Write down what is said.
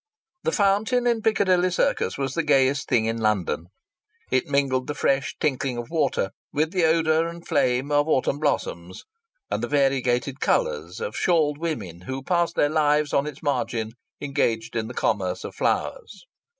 The fountain in Piccadilly Circus was the gayest thing in London. It mingled the fresh tinkling of water with the odour and flame of autumn blossoms and the variegated colours of shawled women who passed their lives on its margin engaged in the commerce of flowers.